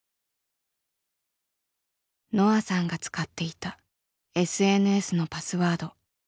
のあさんが使っていたＳＮＳのパスワード。